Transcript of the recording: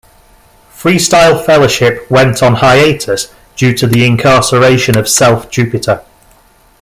Freestyle Fellowship went on hiatus due to the incarceration of Self Jupiter.